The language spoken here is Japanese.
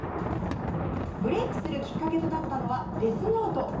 ブレークするきっかけとなったのは「デスノート」。